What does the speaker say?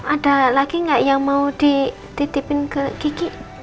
ada lagi gak yang mau dititipin ke kiki